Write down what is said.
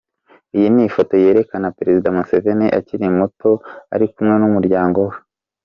Iyi ni ifoto yerekana Perezida Museveni akiri muto ari kumwe n'umuryango we.